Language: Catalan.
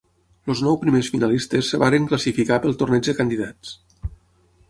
Els nou primers finalistes es varen classificar pel torneig de candidats.